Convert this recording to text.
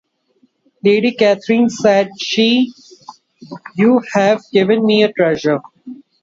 'Lady Catherine,' said she, 'you have given me a treasure.'